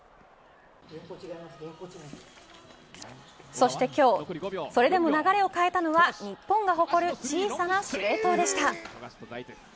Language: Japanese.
そして今日それでも流れを変えたのは日本が誇る小さな司令塔でした。